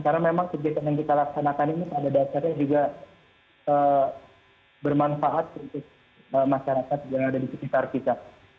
karena memang kegiatan yang kita laksanakan ini pada dasarnya juga bermanfaat untuk masyarakat yang ada di sekitar kita